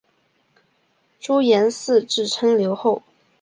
朱延嗣自称留后。